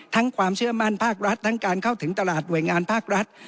ความเชื่อมั่นภาครัฐทั้งการเข้าถึงตลาดหน่วยงานภาครัฐ